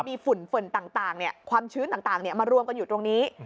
มีฝุ่นต่างความชื้นต่างมารวมกันอยู่ตรงนี้